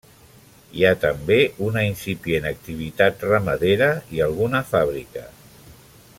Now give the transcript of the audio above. Hi ha també una incipient activitat ramadera i alguna fàbrica.